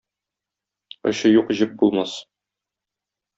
Очы юк җеп булмас.